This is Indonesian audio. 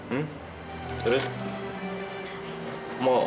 mau aku nantikan dokter